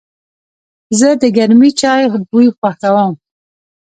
زه د گرمې چای بوی خوښوم.